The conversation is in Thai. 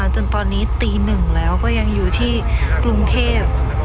จนตอนนี้ตี๑แล้วก็ยังอยู่ที่กรุงเทพ